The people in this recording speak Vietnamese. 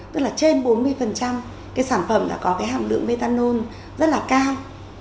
tức là trên bốn mươi cái sản phẩm đã có cái hạm lượng metanol rất là cao